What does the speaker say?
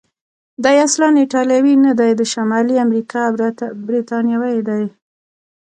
دی اصلا ایټالوی نه دی، د شمالي امریکا برتانوی دی.